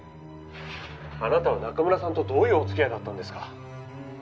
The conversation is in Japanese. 「あなたは中村さんとどういうお付き合いだったんですか？」